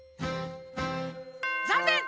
ざんねん！